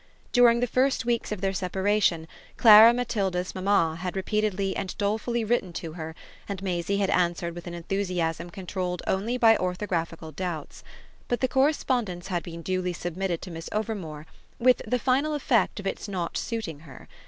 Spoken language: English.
During the first weeks of their separation Clara Matilda's mamma had repeatedly and dolefully written to her, and Maisie had answered with an enthusiasm controlled only by orthographical doubts; but the correspondence had been duly submitted to Miss Overmore, with the final effect of its not suiting her.